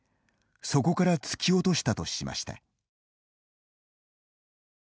そこから突き落としたとしました。